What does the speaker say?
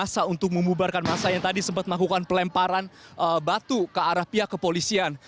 masa untuk memubarkan masa yang tadi sempat melakukan pelemparan batu ke arah pihak kepolisian